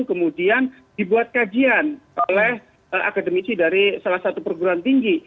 kemudian dibuat kajian oleh akademisi dari salah satu perguruan tinggi